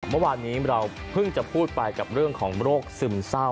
เมื่อวานนี้เราเพิ่งจะพูดไปกับเรื่องของโรคซึมเศร้า